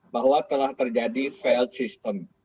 bahwa telah terjadi faild system